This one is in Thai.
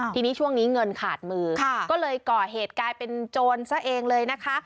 ทีนี้ช่วงนี้เงินขาดมือก็เลยก่อเหตุกลายเป็นโจรซะเองเลยนะคะ